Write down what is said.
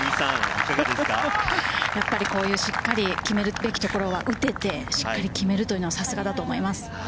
やっぱりこういうしっかり決めるべきところは打てて、しっかり決めるというのは、さすがだと思います。